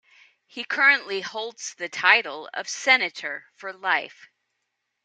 He currently holds the title of Senator for life.